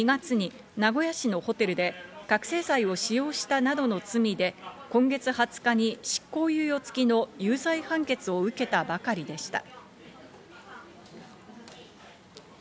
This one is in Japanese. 田中容疑者は今年２月に名古屋市のホテルで、覚醒剤を使用したなどの罪で今月２０日に執行猶予付きの有罪判決を受けたばかりでした。